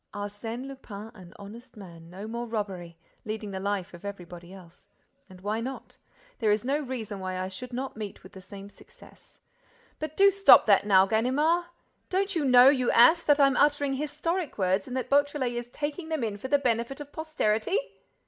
—Arsène Lupin an honest man—no more robbery—leading the life of everybody else.—And why not? There is no reason why I should not meet with the same success.—But do stop that now, Ganimard! Don't you know, you ass, that I'm uttering historic words and that Beautrelet is taking them in for the benefit of posterity?"